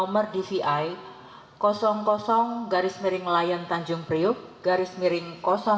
teridentifikasi sebagai antemortem nomor dvi garis miring layan tanjung priuk garis miring tiga